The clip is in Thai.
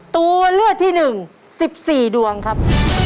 ตัวเลือกที่๑๑๔ดวงครับ